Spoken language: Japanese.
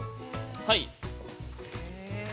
◆はい。